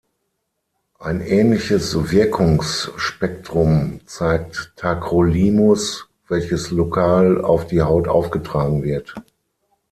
Ein ähnliches Wirkungsspektrum zeigt Tacrolimus, welches lokal auf die Haut aufgetragen wird.